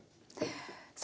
さあ